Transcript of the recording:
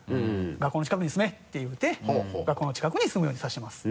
「学校の近くに住め」って言うて学校の近くに住むようにさせてます。